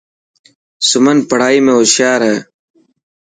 سمن پڙهائي ۾ هوشيار هي.